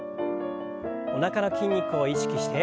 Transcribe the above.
おなかの筋肉を意識して。